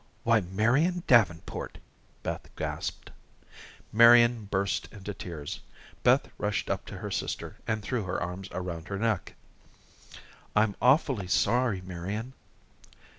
"Why, Marian Davenport," Beth gasped. Marian burst into tears. Beth rushed up to her sister and threw her arms around her neck. "I'm awfully sorry, Marian."